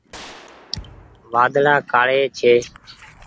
وآڌڙآ ڪآڙي ڇي۔